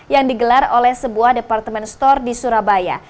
yang digelar oleh sebuah departemen store di surabaya